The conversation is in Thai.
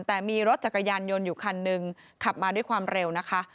แต่มีรถจักรยานยนต์อยู่คันหนึ่งขับมาด้วยความเร็วนะคะ